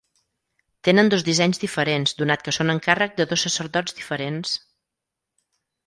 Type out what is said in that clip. Tenen dos dissenys diferents donat que són encàrrec de dos sacerdots diferents.